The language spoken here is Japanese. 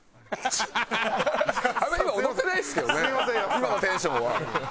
今のテンションは。